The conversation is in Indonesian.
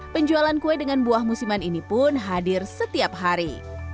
penjualan kue dengan buah musiman ini pun hadir setiap hari